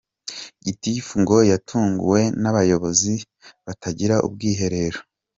Gitifu ngo yatunguwe n’abayobozi batagira ubwiherero.